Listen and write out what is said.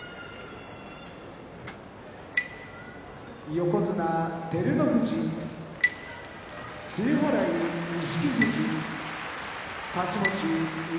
横綱照ノ富士露払い錦富士太刀持ち翠